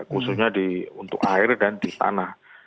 khususnya untuk air dan di tanah